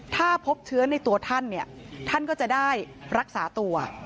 ถ้าพบเชื้อในตัวท่านท่านก็จะได้รักษาตัว